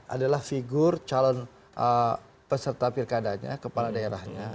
adalah figur calon peserta pilkadanya kepala daerahnya